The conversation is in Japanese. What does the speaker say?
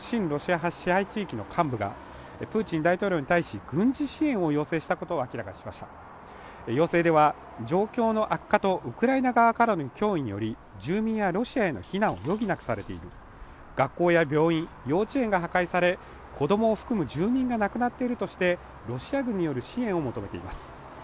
ロシア派支配地域の幹部がプーチン大統領に対し軍事支援を要請したことを明らかにしました要請では状況の悪化とウクライナ側からの脅威により住民やロシアへの避難を余儀なくされている学校や病院幼稚園が破壊され子どもを含む１０人が亡くなっているとしてロシア軍による支援を求めています